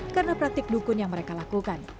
karena praktik dukun yang mereka lakukan